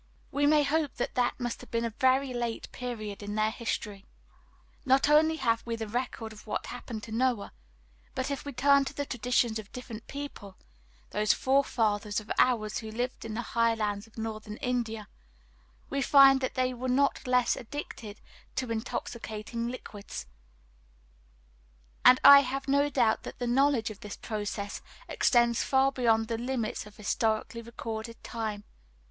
We may hope that that must have been a very late period in their history. Not only have we the record of what happened to Noah, but if we turn to the traditions of a different people, those forefathers of ours who lived in the high lands of Northern India, we find that they were not less addicted to intoxicating liquids; and I have no doubt that the knowledge of this process extends far beyond the limits of historically recorded time.